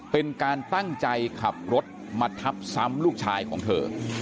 เป็นการตั้งใจขับรถมาทับซ้ำลูกชายของเธอ